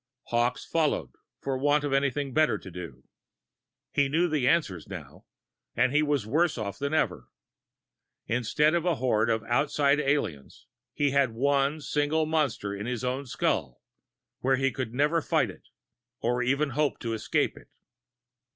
Hawkes followed, for want of anything better to do. He knew the answers now and he was worse off than ever. Instead of a horde of outside aliens, he had one single monster in his own skull, where he could never fight it, or even hope to escape it.